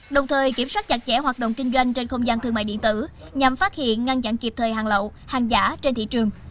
đồng thời kiểm soát chặt chẽ hoạt động kinh doanh trên không gian thương mại điện tử nhằm phát hiện ngăn chặn kịp thời hàng lậu hàng giả trên thị trường